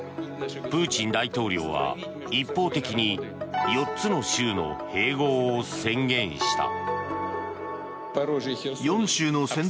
プーチン大統領は一方的に４つの州の併合を宣言した。